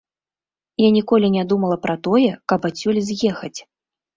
Я ніколі не думала пра тое, каб адсюль з'ехаць.